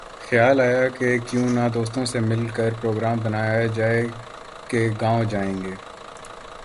خیال آیا کہ کیوں نہ دوستوں سے مل کر پروگرام بنایا جائے کہ گاؤں جائیں گے